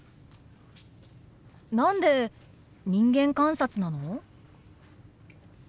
何で人間観察なの？